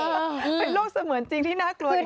เป็นโลกเสมือนจริงที่น่ากลัวดีครับ